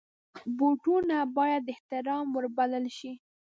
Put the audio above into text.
بوټونه باید د احترام وړ وبلل شي.